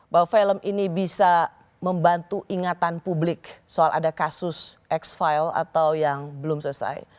bahwa film ini bisa membantu ingatan publik soal ada kasus x file atau yang belum selesai